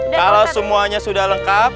kalau semuanya sudah lengkap